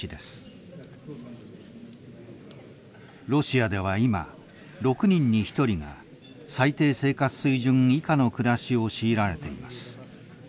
ロシアでは今６人に１人が最低生活水準以下の暮らしを強いられています。